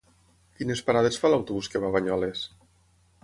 Quines parades fa l'autobús que va a Banyoles?